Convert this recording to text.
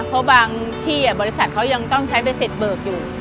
เพราะบางที่บริษัทเขายังต้องใช้ใบเสร็จเบิกอยู่